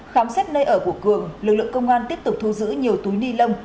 khám xét nơi ở của cường lực lượng công an tiếp tục thu giữ nhiều túi ni lông